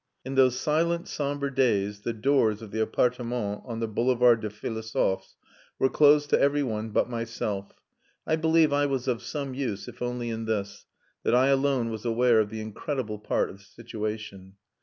In those silent, sombre days the doors of the appartement on the Boulevard des Philosophes were closed to every one but myself. I believe I was of some use, if only in this, that I alone was aware of the incredible part of the situation.